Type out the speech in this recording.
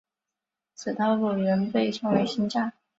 此套路原被称为新架。